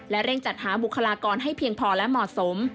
เร่งจัดหาบุคลากรให้เพียงพอและเหมาะสม